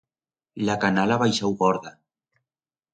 La canal ha baixau gorda.